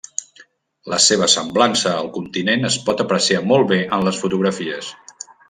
La seva semblança al continent es pot apreciar molt bé en les fotografies.